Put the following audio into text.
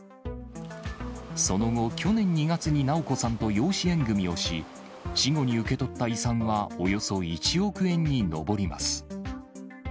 その後、去年２月に直子さんと養子縁組みをし、死後に受け取った遺産はおよそ１億円に上ります。